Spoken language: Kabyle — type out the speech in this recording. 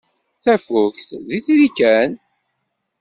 Tafukt d itri kan.